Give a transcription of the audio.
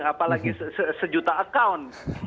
apalagi sejuta account